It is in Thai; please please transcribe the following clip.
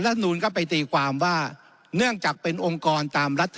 นูลก็ไปตีความว่าเนื่องจากเป็นองค์กรตามรัฐธรรม